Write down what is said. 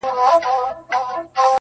ه زړه مي په سينه كي ساته,